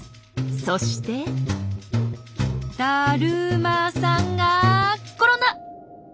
そしてだるまさんが転んだ！